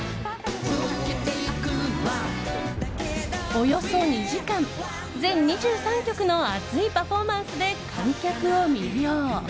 およそ２時間、全２３曲の熱いパフォーマンスで観客を魅了。